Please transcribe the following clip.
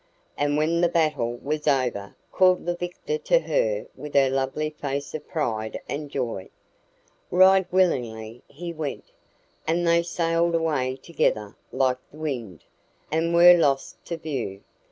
and when the battle was over called the victor to her with her lovely face of pride and joy. Right willingly he went, and they sailed away together like the wind, and were lost to view.